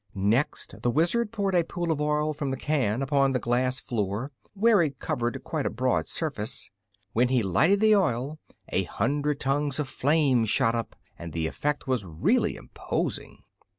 Next the Wizard poured a pool of oil from the can upon the glass floor, where it covered quite a broad surface. When he lighted the oil a hundred tongues of flame shot up, and the effect was really imposing.